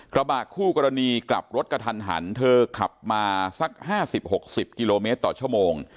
กระบะคู่กรณีกลับรถกระทันหันเธอขับมาสัก๕๐๖๐กิโลเมตรต่อชั่วโมง